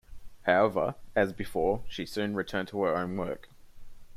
However, as before, she soon returned to her own work.